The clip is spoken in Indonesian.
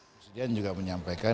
presiden juga menyampaikan